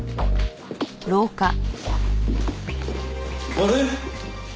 あれ？